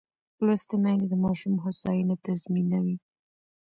لوستې میندې د ماشوم هوساینه تضمینوي.